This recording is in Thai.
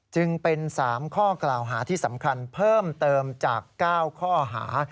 จึงเป็น๓ข้อกล่าวหาที่สำคัญเพิ่มเติมจาก๙ข้อหา